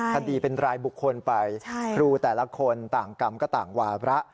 คดีเป็นรายบุคคลไปครูแต่ละคนต่างกรรมก็ต่างวาระ